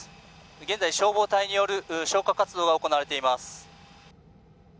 現在、消防隊による消火活動が行われています。